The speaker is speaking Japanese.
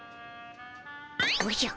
おじゃ。